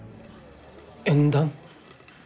縁談？